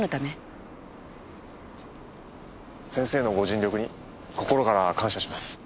先生のご尽力に心から感謝します。